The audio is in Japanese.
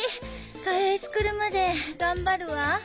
カレー作るまで頑張るわ！